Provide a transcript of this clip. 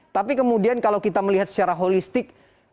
tapi kemudian kalau kita melihat secara holistik